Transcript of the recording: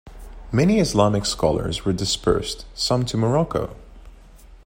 Many Islamic scholars were dispersed, some to Morocco.